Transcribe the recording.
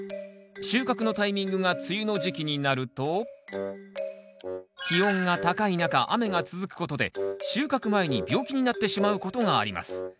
収穫のタイミングが梅雨の時期になると気温が高い中雨が続くことで収穫前に病気になってしまうことがあります。